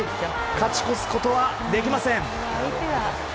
勝ち越すことはできません。